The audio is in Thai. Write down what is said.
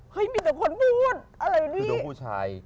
เฮ้ยมีแต่คนพูด